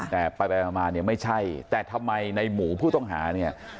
แต่ไปมาเนี่ยไม่ใช่แต่ทำไมในหมูผู้ต้องหาเนี่ย